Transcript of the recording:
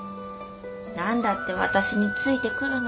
『何だって私についてくるのよ？』。